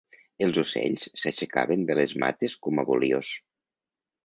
Els ocells s'aixecaven de les mates a voliors.